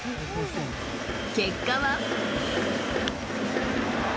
結果は。